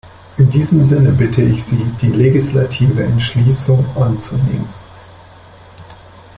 In diesem Sinne bitte ich Sie, die legislative Entschließung anzunehmen.